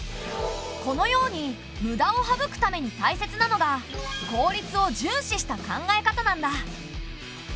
このように無駄をはぶくためにたいせつなのが効率を重視した考え方なんだ。